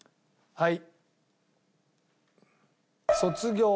はい。